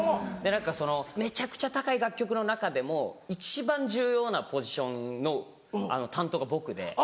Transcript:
で何かそのめちゃくちゃ高い楽曲の中でも一番重要なポジションの担当が僕で。